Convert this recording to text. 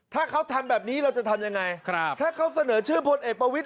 ถ้าเขาทำแบบนี้เราจะทำยังไงถ้าเขาเสนอชื่อพลเอกประวิทย